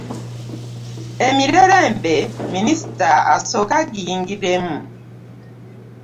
Emirerembe minisita asooke agiyingiremu.